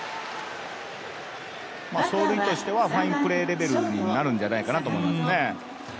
走塁としてはファインプレーレベルになるんじゃないですかね。